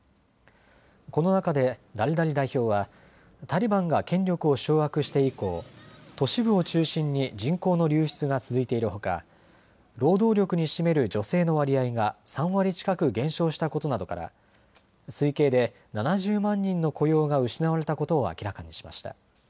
この中でダルダリ代表はタリバンが権力を掌握して以降、都市部を中心に人口の流出が続いているほか労働力に占める女性の割合が３割近く減少したことなどから推計で７０万人の雇用が失われたことを明らかにしました。